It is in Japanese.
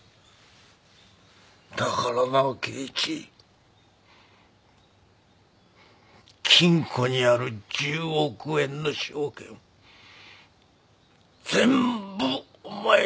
だからな圭一金庫にある１０億円の証券全部お前にくれてやる